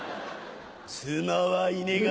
妻はいねが。